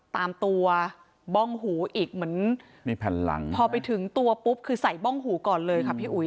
ตามตัวบ้องหูอีกเหมือนมีแผ่นหลังพอไปถึงตัวปุ๊บคือใส่บ้องหูก่อนเลยค่ะพี่อุ๋ย